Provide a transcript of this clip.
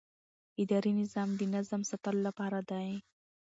اداري نظام د نظم ساتلو لپاره دی.